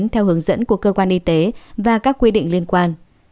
theo hướng dẫn của cơ quan y tế và các quy định liên quan